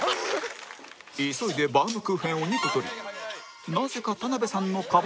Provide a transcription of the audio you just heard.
急いでバウムクーヘンを２個取りなぜか田辺さんのカバンに